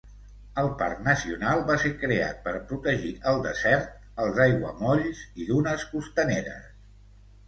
El parc nacional va ser creat per protegir el desert, els aiguamolls i dunes costaneres.